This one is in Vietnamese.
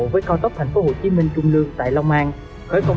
với tổng chiều dài một trăm chín mươi bảy hai mươi hai km